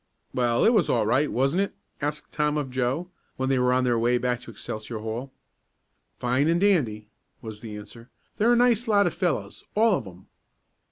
"Well, it was all right; wasn't it?" asked Tom of Joe, when they were on their way back to Excelsior Hall. "Fine and dandy," was the answer. "They're a nice lot of fellows all of 'em."